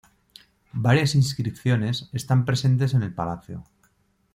Varias inscripciones están presentes en el palacio.